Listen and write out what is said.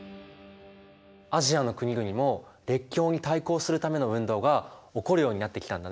アジアの国々も列強に対抗するための運動が起こるようになってきたんだね。